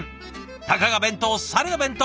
たかが弁当されど弁当！